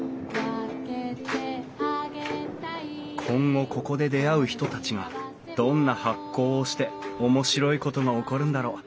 今後ここで出会う人たちがどんな発酵をして面白いことが起こるんだろう？